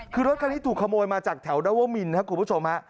คือรถคันนี้ถูกขโมยมาจากแถวนวมินครับคุณผู้ชมฮะ